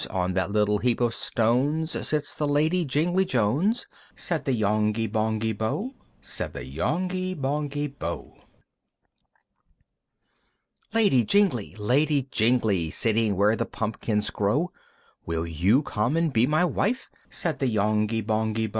"On that little heap of stones "Sits the Lady Jingly Jones!" Said the Yonghy Bonghy Bò, Said the Yonghy Bonghy Bò. III. "Lady Jingly! Lady Jingly! "Sitting where the pumpkins grow, "Will you come and be my wife?" Said the Yonghy Bonghy Bò.